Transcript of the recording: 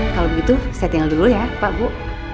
kalau begitu saya tinggal dulu ya pak bu